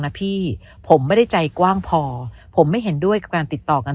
นะพี่ผมไม่ได้ใจกว้างพอผมไม่เห็นด้วยกับการติดต่อกัน